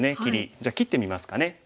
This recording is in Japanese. じゃあ切ってみますかね。